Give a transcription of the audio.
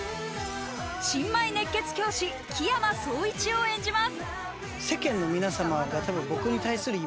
新米熱血教師・樹山蒼一を演じます。